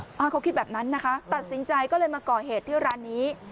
ป้าเขาคิดแบบนั้นนะคะตัดสินใจก็เลยมาก่อเหตุที่ร้านนี้